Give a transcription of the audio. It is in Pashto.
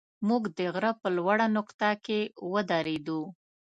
موږ د غره په لوړه نقطه کې ودرېدو.